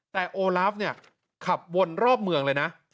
แต่โอลาฟเนี่ยขับวนรอบเมืองเลยนะ